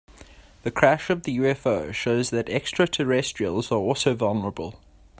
The crash of the UFO shows that extraterrestrials are also vulnerable.